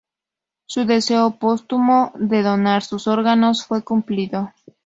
Su deseo póstumo de donar sus órganos fue cumplido.